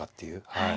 はい。